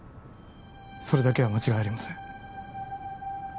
それだけは間違いありません。